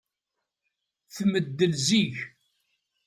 Tmeddel zik.